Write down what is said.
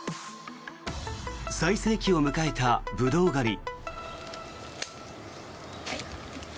最盛期を迎えたブドウ狩り。